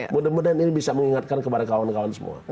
mudah mudahan ini bisa mengingatkan kepada kawan kawan semua